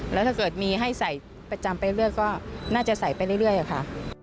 แล้วถ้าเกิดมีให้ใส่ประจำไปเลือกก็น่าจะใส่ไปเรื่อยค่ะ